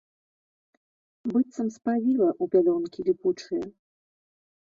Быццам спавіла ў пялёнкі ліпучыя.